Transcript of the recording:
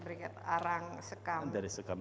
ini bisa berikat arang sekam